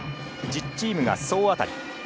１０チームが総当たり。